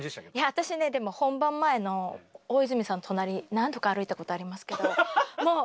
私ね本番前の大泉さんの隣何度か歩いたことありますけどもう。